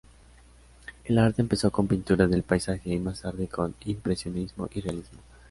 El arte empezó con pintura del paisaje, y más tarde con impresionismo y realismo.